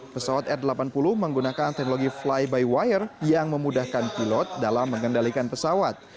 pesawat r delapan puluh menggunakan teknologi fly by wire yang memudahkan pilot dalam mengendalikan pesawat